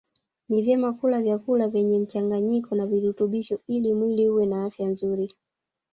Ni vyema kula vyakula vyenye mchanganyiko wa virutubisho ili mwili uwe na afya nzuri